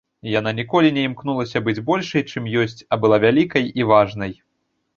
Яна ніколі не імкнулася быць большай, чым ёсць, а была вялікай і важнай.